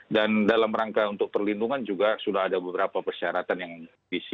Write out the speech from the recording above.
dan dalam rangka untuk perlindungan juga sudah ada berlintasan dan perlindungan juga sudah ada berlintasan